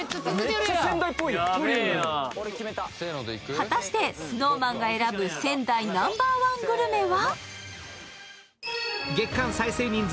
果たしてＳｎｏｗＭａｎが選ぶ仙台ナンバーワングルメは？